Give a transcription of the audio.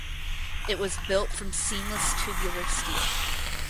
It was built from seamless tubular steel.